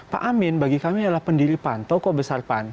pak amin bagi kami adalah pendiri pan tokoh besar pan